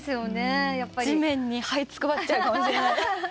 地面にはいつくばっちゃうかもしれない。